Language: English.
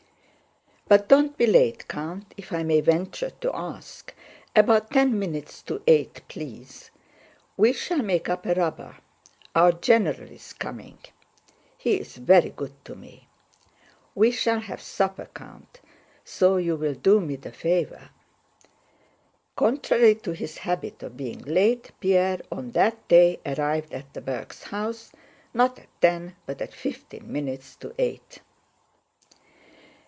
"But don't be late, Count, if I may venture to ask; about ten minutes to eight, please. We shall make up a rubber. Our general is coming. He is very good to me. We shall have supper, Count. So you will do me the favor." Contrary to his habit of being late, Pierre on that day arrived at the Bergs' house, not at ten but at fifteen minutes to eight.